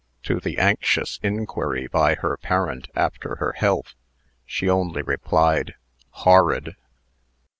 To the anxious inquiry by her parent after her health, she only replied, "Horrid!"